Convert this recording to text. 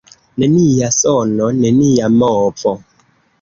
Nenia sono, nenia movo.